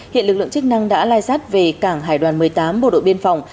hiện lực lượng chức năng đã lai sát về cảng hải đoàn một mươi tám bộ đội biên phòng